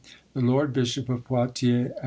the Lord Bishop of Poitiers and M.